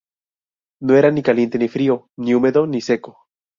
No era ni caliente ni frío, ni húmedo ni seco.